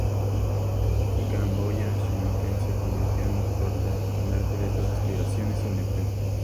En Camboya, Sihanouk se convirtió en portaestandarte de estas aspiraciones de independencia.